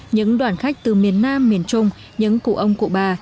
những đoàn khách từ miền nam miền trung những cụ ông cụ bà